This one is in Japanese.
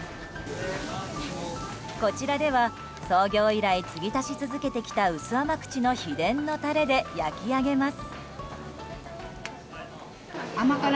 こちらでは創業以来継ぎ足し続けてきた薄甘口の秘伝のタレで焼き上げます。